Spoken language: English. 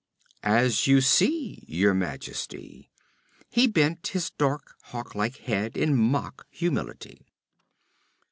'As you see, Your Majesty!' He bent his dark, hawk like head in mock humility.